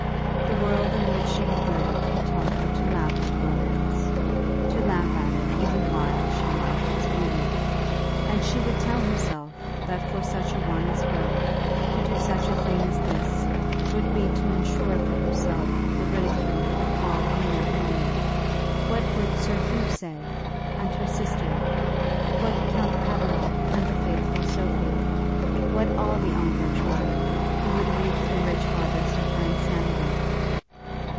The world in which she had lived had taught her to laugh at romance, to laugh at it even while she liked its beauty; and she would tell herself that for such a one as her to do such a thing as this, would be to insure for herself the ridicule of all who knew her name. What would Sir Hugh say, and her sister? What Count Pateroff and the faithful Sophie? What all the Ongar tribe, who would reap the rich harvest of her insanity?